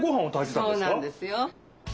そうなんですよ。